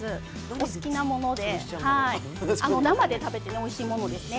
お好きなもので生で食べておいしいものですね。